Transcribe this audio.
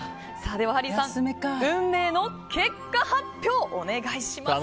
ハリーさん、運命の結果発表お願いします。